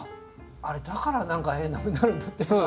あれだから何か変なふうになるんだ手が。